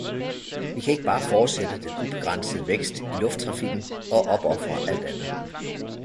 Vi kan ikke bare fortsætte den ubegrænsede vækst i lufttrafikken og opofre alt andet.